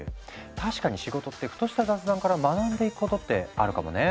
確かに仕事ってふとした雑談から学んでいくことってあるかもね。